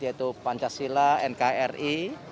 yaitu pancasila nkri